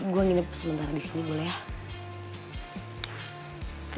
gue nginep sementara di sini boleh ya